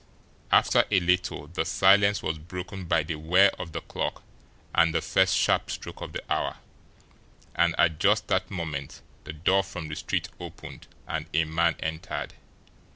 After a little the silence was broken by the whir of the clock and the first sharp stroke of the hour; and at just that moment the door from the street opened and a man entered.